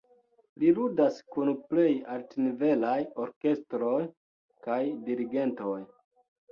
Li ludas kun plej altnivelaj orkestroj kaj dirigentoj.